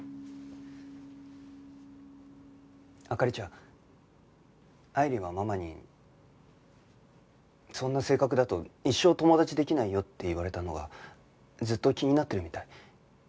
灯ちゃん愛理はママに「そんな性格だと一生友達できないよ」って言われたのがずっと気になってるみたい。